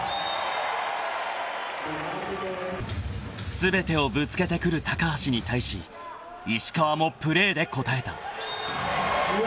［全てをぶつけてくる橋に対し石川もプレーで応えた］